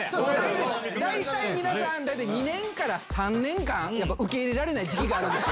大体、皆さん、２年から３年間、やっぱ受け入れられない時期があるんです。